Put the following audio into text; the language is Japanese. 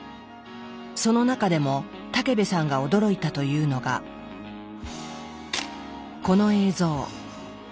その中でも武部さんが驚いたというのがこの映像。